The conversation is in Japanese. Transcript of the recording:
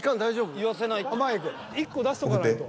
１個出しとかないと。